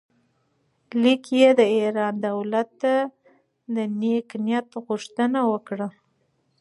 لیک کې یې د ایران دولت ته د نېک نیت غوښتنه وکړه.